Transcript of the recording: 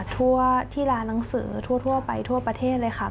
ทั่วที่ร้านหนังสือทั่วไปทั่วประเทศเลยค่ะ